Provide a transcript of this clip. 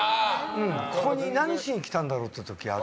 ここに何しに来たんだろうっていう時ある。